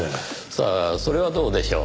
さあそれはどうでしょう？